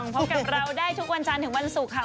พบกับเราได้ทุกวันจันทร์ถึงวันศุกร์ค่ะ